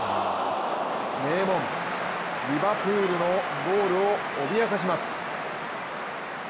名門・リヴァプールのゴールを脅かします。